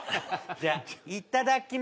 じゃいただきま。